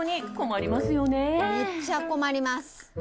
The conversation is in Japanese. めっちゃ困ります。